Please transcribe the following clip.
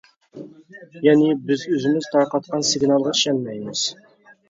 يەنى بىز ئۆزىمىز تارقاتقان سىگنالغا ئىشەنمەيمىز.